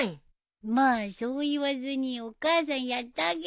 まあそう言わずにお母さんやってあげるよ。